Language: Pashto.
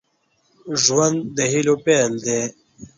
ژوند د هيلو پيل دی.